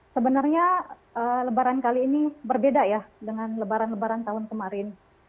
sebenarnya lebaran kali ini berbeda ya dengan lebaran lebaran tahun kemarin